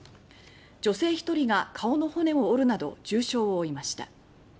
女性１人が顔の骨を折るなど重傷を負いました。